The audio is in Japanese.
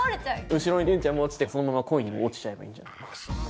後ろにゆんちゃんも落ちてそのまま恋にも落ちちゃえばいいんじゃない。